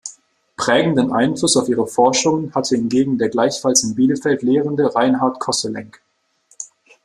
Prägenden Einfluss auf ihre Forschungen hatte hingegen der gleichfalls in Bielefeld lehrende Reinhart Koselleck.